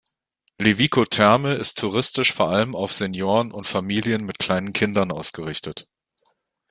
Levico Terme ist touristisch vor allem auf Senioren und Familien mit kleinen Kindern ausgerichtet.